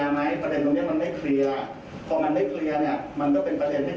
พอมันไม่เคลียร์เนี่ยมันก็เป็นประเด็นให้แค่